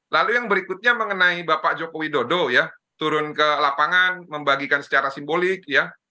lalu yang berikutnya mengenai bapak joko widodo ya turun ke lapangan membagikan secara simbolik ya